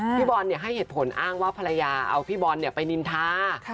พี่บอลให้เหตุผลอ้างว่าภรรยาเอาพี่บอลไปนินทา